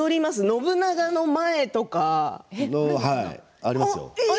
信長の前とか。、はい、ありますよ。